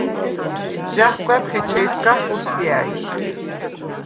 ჟა̈ხბა̈გვხ ეჩე̄სგა ხოსია̈ჲ.